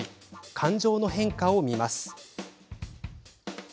感情の変化を見ます。